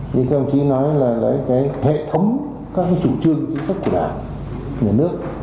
như các đồng chí nói là hệ thống các chủ trương chính sức của đảng nhà nước